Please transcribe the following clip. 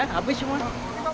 ya habis semua